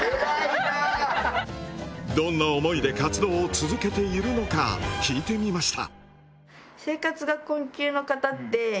どんな思いで活動を続けているのか聞いてみました。